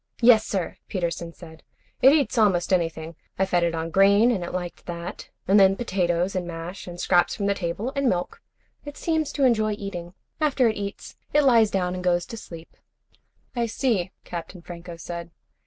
"Yes, sir," Peterson said. "It eats almost anything. I fed it on grain and it liked that. And then potatoes, and mash, and scraps from the table, and milk. It seems to enjoy eating. After it eats it lies down and goes to sleep." "I see," Captain Franco said.